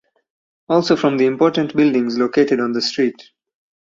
Also from the important buildings located on the street.